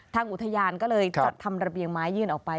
ทางอุทยานก็เลยจัดทำระเบียงไม้ยื่นออกไป